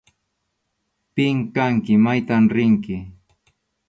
¿Pim kanki? ¿Maytam rinki?